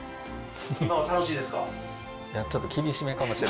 今は楽しいですか？